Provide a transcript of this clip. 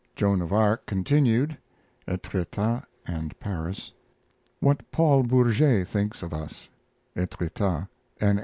JOAN OF ARC continued (Etretat and Paris). WHAT PAUL BOURGET THINKS OF US (Etretat) N.